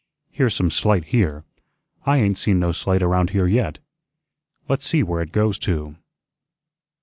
"Here's some slate here; I ain't seen no slate around here yet. Let's see where it goes to."